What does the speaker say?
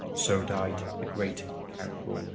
So died the great Count Rolan